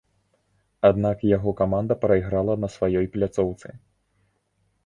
Аднак яго каманда прайграла на сваёй пляцоўцы.